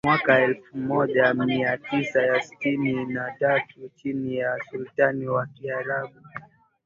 mwaka elfu moja mia tisa sitini na tatu chini ya Sultani wa Kiarabu